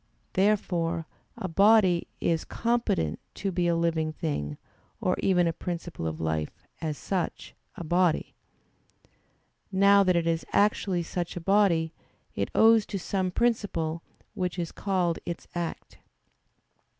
Therefore a body is competent to be a living thing or even a principle of life, as "such" a body. Now that it is actually such a body, it owes to some principle which is called its act.